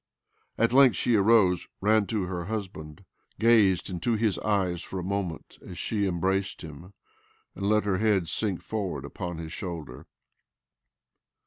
At length she arose, ran to her husband, gazed into his eyes for a moment as she embraced him,^ and let her head sink forward upon his shoulder.